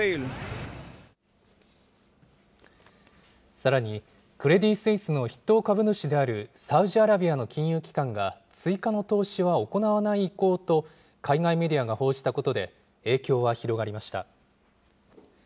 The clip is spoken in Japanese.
さらに、クレディ・スイスの筆頭株主であるサウジアラビアの金融機関が、追加の投資は行わない意向と、海外メディアが報じたことで、影響は広がりました。